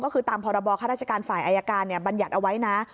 ก็คือตามพรบข้าราชการฝ่ายอายการบัญญัติเอาไว้นะ